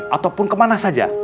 ataupun kemana saja